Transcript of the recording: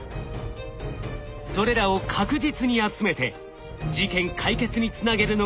それらを確実に集めて事件解決につなげるのが鑑識。